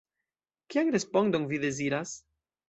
Kian respondon vi deziras?